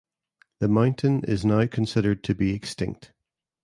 The mountain is now considered to be extinct.